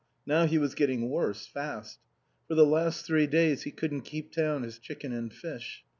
Now he was getting worse, fast. For the last three days he couldn't keep down his chicken and fish.